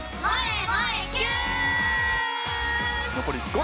はい。